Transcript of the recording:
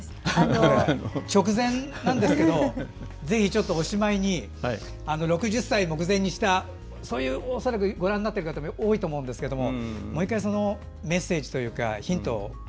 直前なんですけどぜひ、おしまいに６０歳目前にしたそういう方でご覧の方多いと思うんですけどもう１回メッセージというかヒントを。